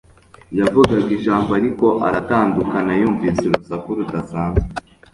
Yavugaga ijambo ariko aratandukana yumvise urusaku rudasanzwe